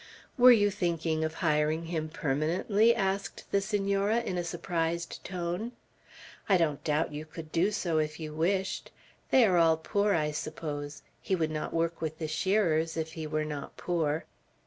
"Were you thinking of hiring him permanently?" asked the Senora, in a surprised tone. "I don't doubt you could do so if you wished. They are all poor, I suppose; he would not work with the shearers if he were not poor."